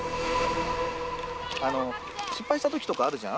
失敗した時とかあるじゃん。